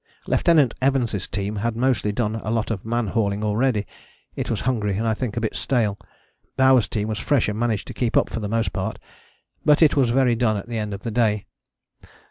Lieutenant Evans' team had mostly done a lot of man hauling already: it was hungry and I think a bit stale. Bowers' team was fresh and managed to keep up for the most part, but it was very done at the end of the day.